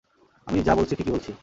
আমি যা বলছি ঠিকই বলছি!